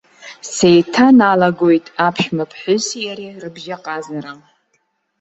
Сеиҭаналагоит аԥшәмаԥҳәыси иареи рыбжьаҟазара.